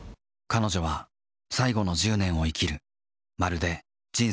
彼女は最後の１０年を生きる。